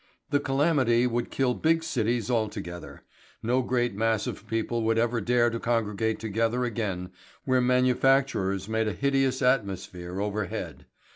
The calamity would kill big cities altogether. No great mass of people would ever dare to congregate together again where manufacturers made a hideous atmosphere overhead.